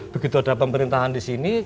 begitu ada pemerintahan di sini